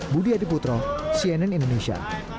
budi adiputro cnn indonesia